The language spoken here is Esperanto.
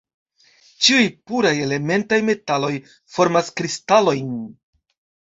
Ĉiuj puraj elementaj metaloj formas kristalojn.